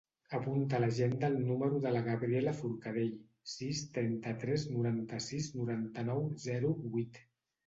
Apunta a l'agenda el número de la Gabriela Forcadell: sis, trenta-tres, noranta-sis, noranta-nou, zero, vuit.